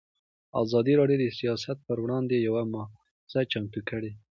ازادي راډیو د سیاست پر وړاندې یوه مباحثه چمتو کړې.